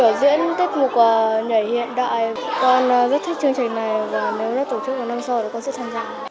và nếu tổ chức vào năm sau thì con sẽ tham gia